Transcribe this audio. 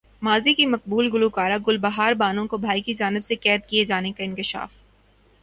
ماضی کی مقبول گلوکارہ گل بہار بانو کو بھائی کی جانب سے قید کیے جانے کا انکشاف